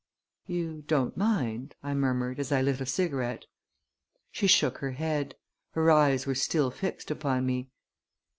"You don't mind?" I murmured as I lit a cigarette. She shook her head. Her eyes were still fixed upon me.